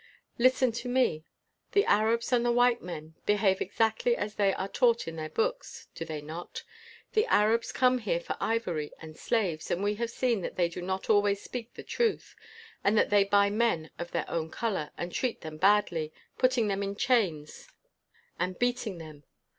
Listen to me. The Arabs and the white men behave exactly as they are taught in their books, do they not? The Arabs come here for ivory and slaves, and we have seen that they do not always speak the truth, and that they buy men of their own color and treat them badly, putting them in chains and beating 17 WHITE MAN OF WORK them.